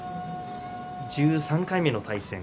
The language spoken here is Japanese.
１３回目の対戦